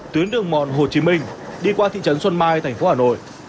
tuyến đường mòn hồ chí minh đi qua thị trấn xuân mai thành phố hà nội